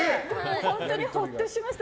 本当にほっとしました。